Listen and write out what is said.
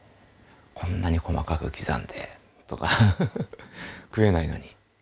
「こんなに細かく刻んで！」とか。ハハハ食えないのに。